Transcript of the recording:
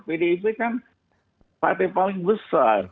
pdip kan partai paling besar